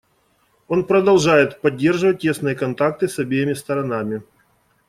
Он продолжает поддерживать тесные контакты с обеими сторонами.